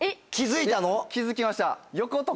気付きました。